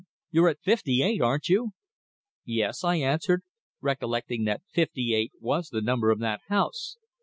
You're at fifty eight, aren't you?" "Yes," I answered, recollecting that fifty eight was the number of that house.